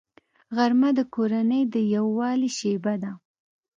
غرمه د کورنۍ د یووالي شیبه ده